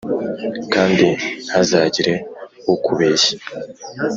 kandi ntihazagire ukubeshya